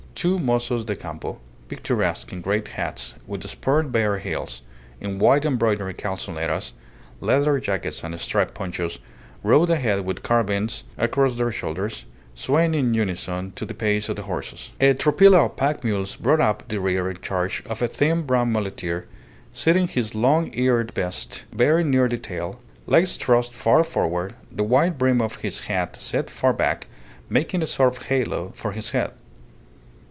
Two mozos de campo, picturesque in great hats, with spurred bare heels, in white embroidered calzoneras, leather jackets and striped ponchos, rode ahead with carbines across their shoulders, swaying in unison to the pace of the horses. A tropilla of pack mules brought up the rear in charge of a thin brown muleteer, sitting his long eared beast very near the tail, legs thrust far forward, the wide brim of his hat set far back, making a sort of halo for his head.